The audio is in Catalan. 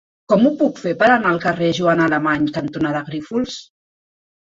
Com ho puc fer per anar al carrer Joana Alemany cantonada Grífols?